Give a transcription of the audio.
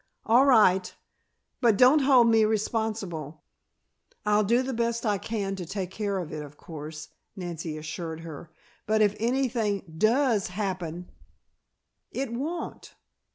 "All right. But don't hold me responsible. I'll do the best I can to take care of it, of course," Nancy assured her, "but if anything does happen " "It won't.